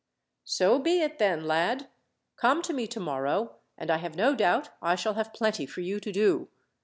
"So be it, then, lad. Come to me tomorrow, and I have no doubt I shall have plenty for you to do.